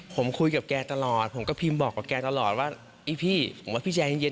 ผมคุยกับแกตลอดผมก็พิมพ์บอกกับแกตลอดว่าไอ้พี่ผมว่าพี่ใจเย็น